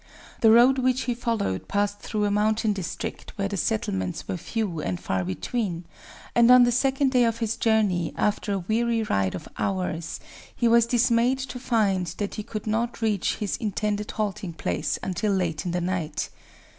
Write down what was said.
The road which he followed passed through a mountain district where the settlements were few and far between; and on the second day of his journey, after a weary ride of hours, he was dismayed to find that he could not reach his intended halting place until late in the night.